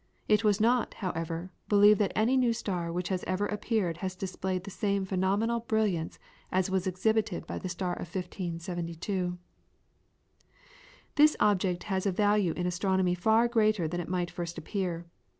It is not, however, believed that any new star which has ever appeared has displayed the same phenomenal brilliance as was exhibited by the star of 1572. This object has a value in astronomy far greater than it might at first appear.